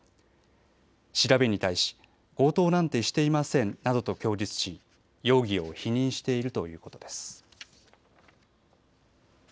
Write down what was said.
調べに対し強盗なんてしていませんなどと供述し容疑を否認しているということです。